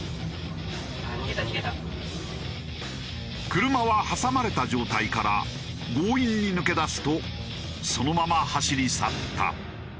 車は挟まれた状態から強引に抜け出すとそのまま走り去った。